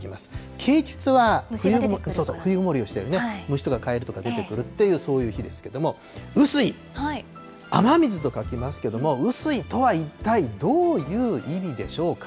啓ちつは冬ごもりをしている、虫とかカエルとか出てくるっていう、そういう日ですけれども、雨水、雨水と書きますけれども、雨水とはいったいどういう意味でしょうか。